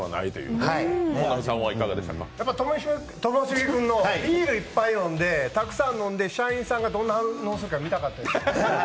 ともしげ君のビール１杯飲んで、たくさん飲んで、社員さんがどうなるか見たかったです。